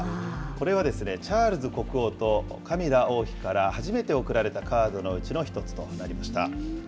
これは、チャールズ国王とカミラ王妃から初めて贈られたカードのうちの一つとなりました。